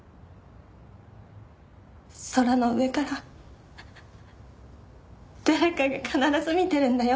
空の上から誰かが必ず見てるんだよって。